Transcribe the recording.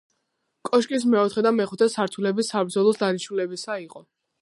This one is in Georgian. კოშკის მეოთხე და მეხუთე სართულები საბრძოლო დანიშნულებისა იყო.